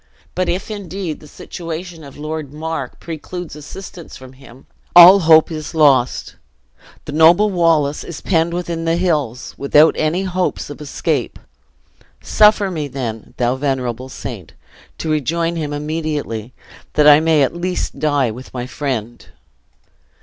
But if, indeed, the situation of Lord Mar precludes assistance from him, all hope is lost! The noble Wallace is penned within the hills, without any hopes of escape. Suffer me, then, thou venerable saint! to rejoin him immediately, that I may at least die with my friend!"